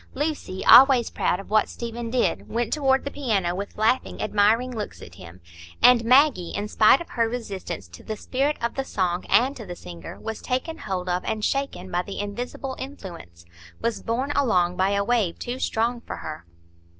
Lucy, always proud of what Stephen did, went toward the piano with laughing, admiring looks at him; and Maggie, in spite of her resistance to the spirit of the song and to the singer, was taken hold of and shaken by the invisible influence,—was borne along by a wave too strong for her.